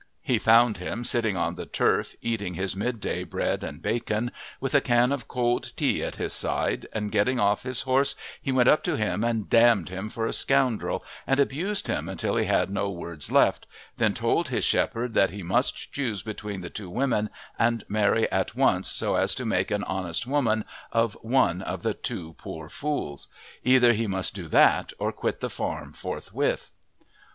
He found him sitting on the turf eating his midday bread and bacon, with a can of cold tea at his side, and getting off his horse he went up to him and damned him for a scoundrel and abused him until he had no words left, then told his shepherd that he must choose between the two women and marry at once, so as to make an honest woman of one of the two poor fools; either he must do that or quit the farm forthwith.